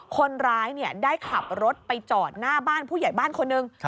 คนร้ายได้ขับรถไปจอดหน้าบ้านผู้ใหญ่บ้านคนหนึ่ง